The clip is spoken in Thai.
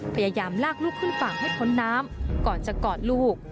พยายามลากลูกขึ้นฝั่งให้พ้นน้ำก่อนจะกอดลูก